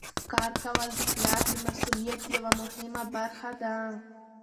کار کول د پلار د مسؤلیت یوه مهمه برخه ده.